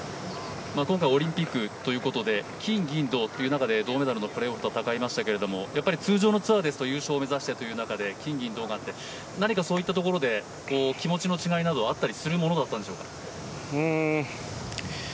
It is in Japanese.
今回オリンピックということで金、銀、銅という中で銅メダルのプレーオフを戦いましたけれど、通常のツアーですと優勝を目指していく中で、何か気持ちの違いなどはあったりするものだったんでしょうか？